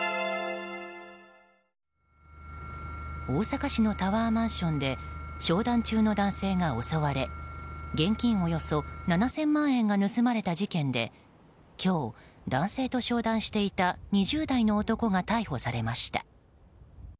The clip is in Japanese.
大阪市のタワーマンションで商談中の男性が襲われ現金およそ７０００万円が盗まれた事件で今日、男性と商談していた２０代の男が逮捕されました。